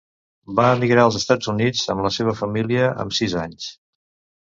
Va emigrar als Estats Units amb la seva família amb sis anys.